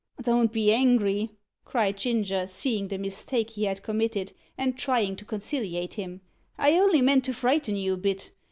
"Don't be angry," cried Ginger, seeing the mistake he had committed, and trying to conciliate him; "I only meant to frighten you a bit.